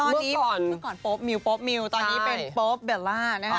เมื่อก่อนมิวตอนนี้เป็นโป๊ปเบลล่านะคะ